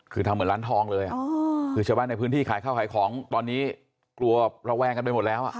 คือทำเหมือนร้านทองเลยอ๋อ